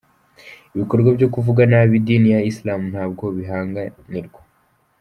Ibikorwa byo kuvuga nabi idini ya Isilamu ntabwo byihanganirwa.